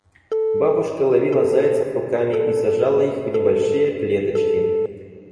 Бабушка ловила зайцев руками и сажала их в небольшие клеточки.